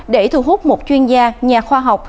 để thu hút một chuyên gia nhà khoa học